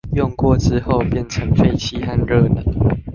用過之後變成廢氣和熱能